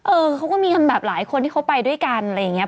เออเขาก็มีกันแบบหลายคนที่เขาไปด้วยกันอะไรอย่างนี้